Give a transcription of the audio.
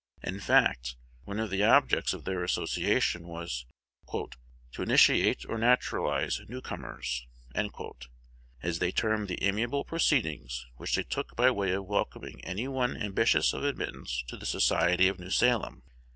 In fact, one of the objects of their association was to "initiate or naturalize new comers," as they termed the amiable proceedings which they took by way of welcoming any one ambitious of admittance to the society of New Salem.